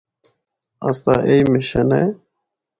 اسدا ایہی مشن اے۔